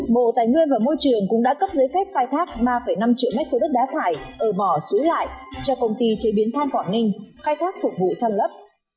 bộ tài nguyên và môi trường cũng đã cấp giới phép khai thác ba năm triệu mét của đất đá thải ở mỏ sú lại cho công ty chế biến than quảng ninh khai thác phục vụ sàn lấp